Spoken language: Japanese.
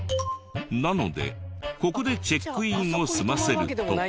なのでここでチェックインを済ませると。